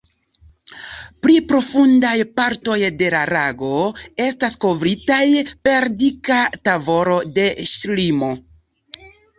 Pli profundaj partoj de la lago estas kovritaj per dika tavolo de ŝlimo.